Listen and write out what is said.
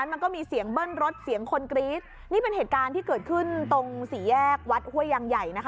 นี่เป็นเหตุการณ์ที่เกิดขึ้นตรงศรีแยกวัดห้วยยางใหญ่นะคะ